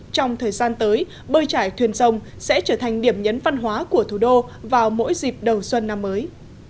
trong thời gian tới bơi trải thuyền sông sẽ trở thành điểm nhấn văn hóa của thủ đô vào mỗi dịp đầu xuân năm mới